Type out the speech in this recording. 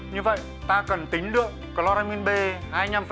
như vậy ta cần tính được cloramin b hai mươi năm để khử trùng nước như sau